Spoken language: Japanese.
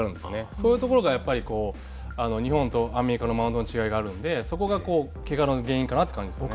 そういうところがやっぱり日本とアメリカのマウンドの違いがあるのでそこがけがの原因かなという感じですね。